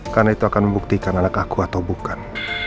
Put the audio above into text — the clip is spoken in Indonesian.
karena itu akan membuktikan anak aku atau bukan